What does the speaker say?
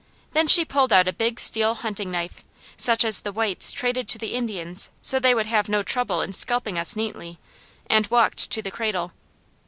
Then she pulled out a big steel hunting knife, such as the whites traded to the Indians so they would have no trouble in scalping us neatly, and walked to the cradle.